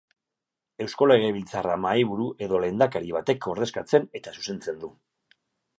Eusko Legebiltzarra mahaiburu edo lehendakari batek ordezkatzen eta zuzentzen du.